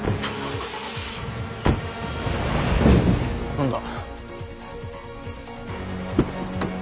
何だ？